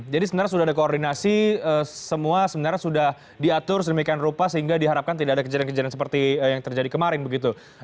jadi sebenarnya sudah ada koordinasi semua sebenarnya sudah diatur sedemikian rupa sehingga diharapkan tidak ada kejadian kejadian seperti yang terjadi kemarin begitu